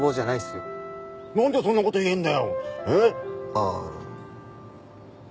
ああ。